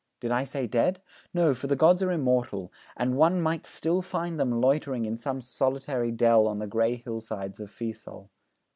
Did I say dead? No, for the gods are immortal, and one might still find them loitering in some solitary dell on the grey hillsides of Fiesole.